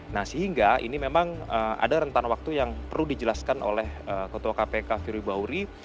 nah sehingga ini memang ada rentan waktu yang perlu dijelaskan oleh ketua kpk firly bauri